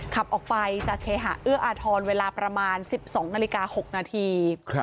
ขับออกไปจากเคหาเอื้ออาทรเวลาประมาณ๑๒นาฬิกา๖นาที